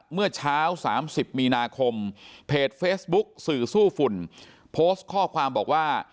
เมื่อเช้า๓๐มีนาคมเพจเฟซบุ๊กสื่อสู้ฝุ่นโพสต์ข้อความบอกว่า